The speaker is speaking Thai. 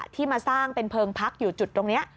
ที่มาสร้างเป็นเพลิงพักอยู่จุดตรงนี้